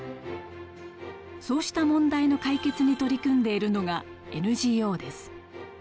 そうした問題の解決に取り組んでいるのがＮＧＯです。